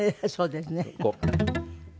そうですね。